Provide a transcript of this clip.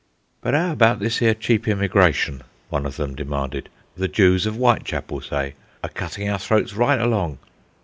"But 'ow about this 'ere cheap immigration?" one of them demanded. "The Jews of Whitechapel, say, a cutting our throats right along?"